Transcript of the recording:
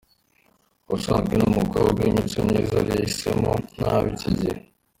Ubusanzwe ni umukobwa w’imico myiza ari yahisemo nabi icyo gihe”.